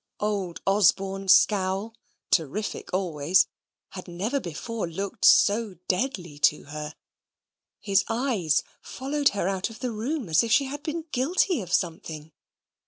Old Osborne's scowl, terrific always, had never before looked so deadly to her. His eyes followed her out of the room, as if she had been guilty of something.